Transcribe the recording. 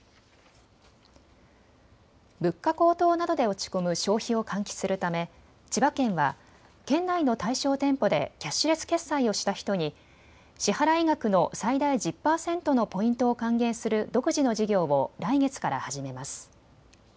物価高騰などで落ち込む消費を喚起するため千葉県は県内の対象店舗でキャッシュレス決済をした人に支払額の最大１０％のポイントを還元する独自の事業を来月から始めます。